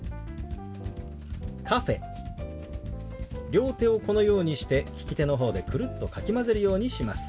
両手をこのようにして利き手の方でくるっとかき混ぜるようにします。